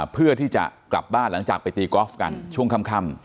เพื่อที่จะกลับบ้านหลังจากไปตีกอล์ฟกันช่วงค่ำ